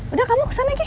udah kamu kesana ki